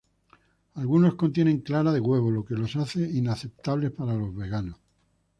Algunos contienen clara de huevo, lo que los hace inaceptables para los veganos.